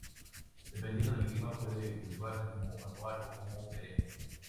Dependiendo del clima, puede cultivarse como anual o como perenne.